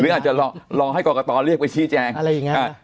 อาจจะรอให้กรกตเรียกไปชี้แจงอะไรอย่างนี้